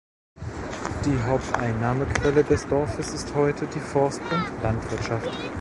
Die Haupteinnahmequelle des Dorfes ist heute die Forst- und Landwirtschaft.